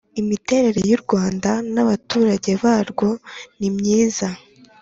imiterere y'u rwanda n'abaturage barwo, nimyiza